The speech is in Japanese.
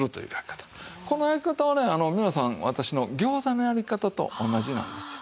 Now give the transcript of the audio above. この焼き方はね皆さん私の餃子のやり方と同じなんですよ。